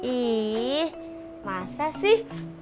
ih masa sih